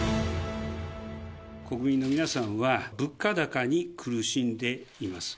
国民の皆さんは物価高に苦しんでいます。